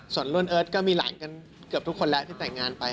ส่วนรุ่นเอิร์ทก็มีหลานกันเกือบทุกคนแล้วที่แต่งงานไป